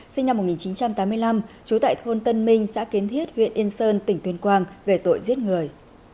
sinh năm một nghìn chín trăm tám mươi năm trú tại thôn tân minh xã kiến thiết huyện yên sơn tỉnh tuyên quang về tội giết người